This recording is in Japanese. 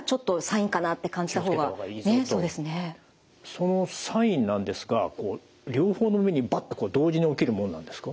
そのサインなんですが両方の耳にバッと同時に起きるものなんですか？